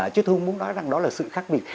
chứ tôi không muốn nói rằng đó là sự khác biệt